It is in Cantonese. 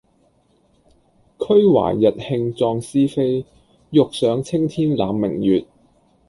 俱懷逸興壯思飛，欲上青天攬明月